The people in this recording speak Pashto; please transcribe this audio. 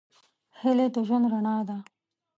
هیلې د ژوند رڼا ده.